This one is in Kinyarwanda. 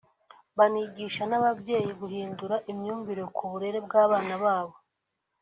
banigisha n’ababyeyi guhindura imyumvire ku burere bw’abana babo